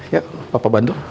ya papa bantu